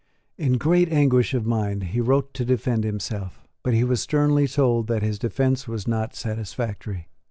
In great anguish of mind he wrote to defend himself; but he was sternly told that his defence was not satisfactory.